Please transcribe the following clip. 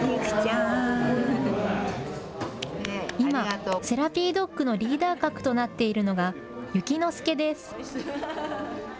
今、セラピードッグのリーダー格となっているのがゆきのすけです。